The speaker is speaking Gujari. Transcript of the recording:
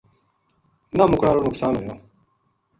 نہ مُکن ہالو نقصان ہویو